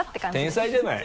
天才じゃない。